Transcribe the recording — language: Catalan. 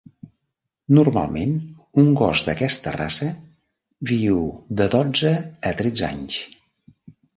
Normalment un gos d'aquesta raça viu de dotze a tretze anys.